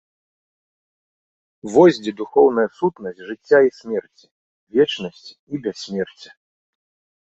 Вось дзе духоўная сутнасць жыцця і смерці, вечнасці і бяссмерця.